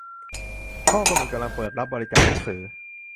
ห้องสมุดกำลังเปิดรับบริจาคหนังสือ